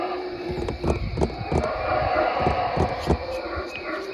Pour la quatrième année consécutive, la Région flamande remporte le titre de Miss Belgique.